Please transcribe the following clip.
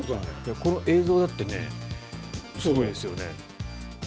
この映像だってすごいですよね。